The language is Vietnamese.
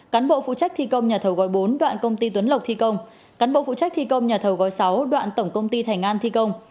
cán bộ phụ trách thi công nhà thầu gói bốn đoạn công ty tuấn lộc thi công cán bộ phụ trách thi công nhà thầu gói sáu đoạn tổng công ty thành an thi công